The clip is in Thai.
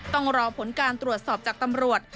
ต้องรอผลการตรวจสอบจากตำรวจ